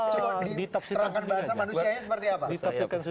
coba diterangkan bahasa manusianya seperti apa